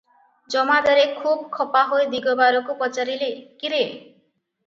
ଜମାଦାରେ ଖୁବ ଖପାହୋଇ ଦିଗବାରକୁ ପଚାରିଲେ,"କି ରେ?